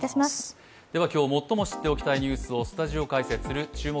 今日、最も知っておきたいニュースをスタジオ解説する「注目！